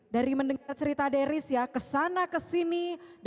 dari mendengar cerita deris ya kesana kesini